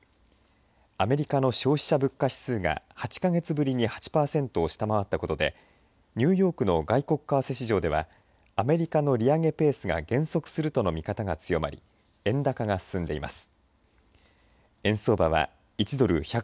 アメリカの消費者物価指数が８か月ぶりに８パーセントを下回ったことでニューヨークの外国為替市場ではアメリカの利上げペースが減速するという見方が強まり円高が進んでいます。